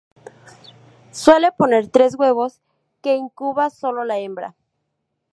Suele poner tres huevos que incuba solo la hembra.